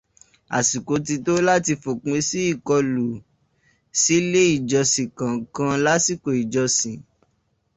Àsìkò ti tó láti fòpin sí ìkọlù sílè ìjọsìn kankan lásìkò ìjọsìn.